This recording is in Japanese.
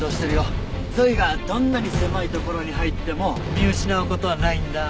ゾイがどんなに狭い所に入っても見失う事はないんだ。